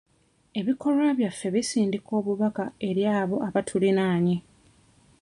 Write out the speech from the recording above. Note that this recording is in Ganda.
Ebikolwa byaffe bisindika obubaka eri abo abatulinaanye.